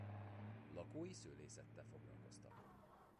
Lakói szőlészettel foglalkoztak.